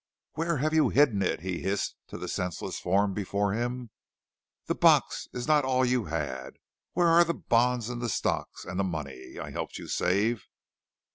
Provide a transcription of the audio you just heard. "'Where have you hidden it?' he hissed to the senseless form before him. 'That box is not all you had. Where are the bonds and the stocks, and the money I helped you to save?'